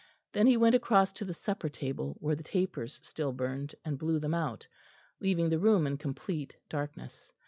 Then he went across to the supper table, where the tapers still burned, and blew them out, leaving the room in complete darkness.